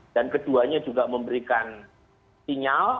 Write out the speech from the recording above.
dan keduanya juga memberikan sinyal